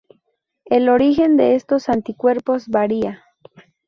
El origen de estos anticuerpos varía.